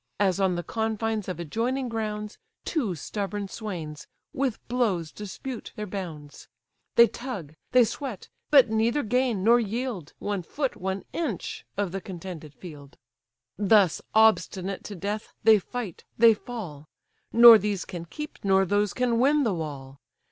As on the confines of adjoining grounds, Two stubborn swains with blows dispute their bounds; They tug, they sweat; but neither gain, nor yield, One foot, one inch, of the contended field; Thus obstinate to death, they fight, they fall; Nor these can keep, nor those can win the wall.